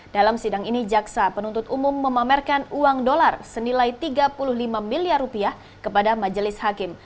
dalam sidang ini jaksa penuntut umum memamerkan uang dolar senilai tiga puluh lima miliar rupiah kepada majelis hakim